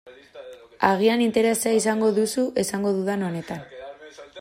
Agian interesa izango duzu esango dudan honetan.